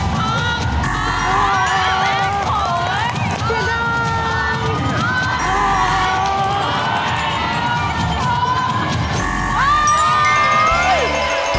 มันคือเขียนนะครับ